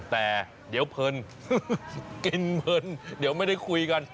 แต่เดี๋ยวเพลินกินเพลินเดี๋ยวไม่ได้คุยกัน